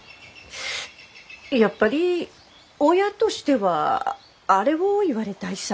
やっぱり親としてはあれを言われたいさ。